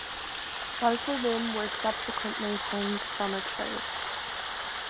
Both of them were subsequently hanged from a tree.